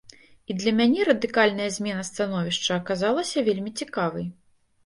І для мяне радыкальная змена становішча аказалася вельмі цікавай.